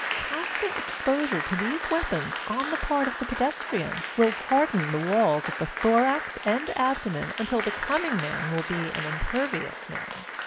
Constant exposure to these weapons on the part of the pedestrian will harden the walls of the thorax and abdomen until the coming man will be an impervious man.